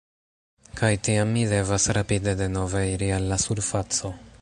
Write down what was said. Kaj tiam mi devas rapide denove iri al la surfaco.